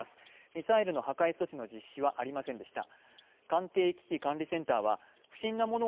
ミサイルの破壊措置の実施はありませんでした。